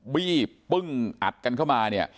วี่้บปึ้งอัดกันเข้ามา